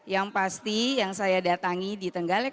yang pasti yang saya datangi di tenggalek